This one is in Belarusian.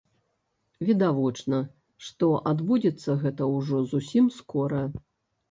Відавочна, што адбудзецца гэта ўжо зусім скора.